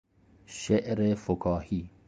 شعر فکاهی